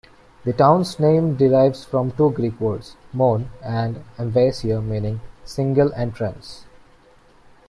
The town's name derives from two Greek words, "mone" and "emvasia", meaning "single entrance".